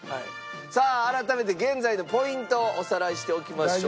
さあ改めて現在のポイントをおさらいしておきましょう。